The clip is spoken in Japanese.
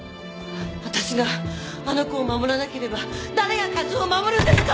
私があの子を守らなければ誰が和夫を守るんですか！